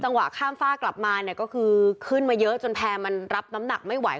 ข้ามฝ้ากลับมาเนี่ยก็คือขึ้นมาเยอะจนแพร่มันรับน้ำหนักไม่ไหว